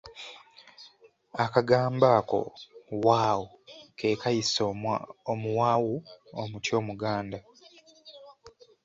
Akagambo ako wawu ke kayisa omuwawu omuti omuganda.